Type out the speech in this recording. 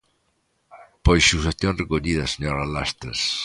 Pois suxestión recollida, señora Lastres.